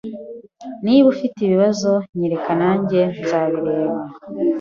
Niba ufite ibibazo, nyereka, nanjye nzabireba.